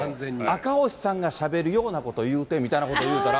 赤星さんがしゃべるようなこと言うてみたいなこといったら。